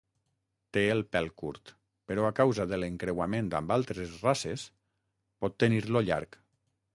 Té el pèl curt, però a causa de l'encreuament amb altres races pot tenir-lo llarg.